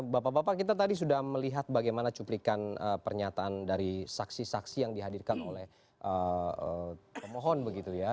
bapak bapak kita tadi sudah melihat bagaimana cuplikan pernyataan dari saksi saksi yang dihadirkan oleh pemohon begitu ya